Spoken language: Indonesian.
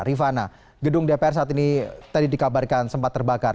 rifana gedung dpr saat ini tadi dikabarkan sempat terbakar